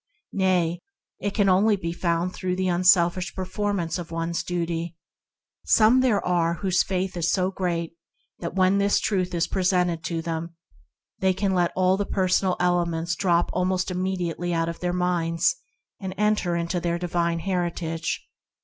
Nay, it can only be found through the unselfish performance of one's duty. Some there are whose faith is so great that, when this truth is presented to them, they can let all personal elements drop out of their minds almost immediately, and enter THE FINDING OF A PRINCIPLE 65 into their divine heritage.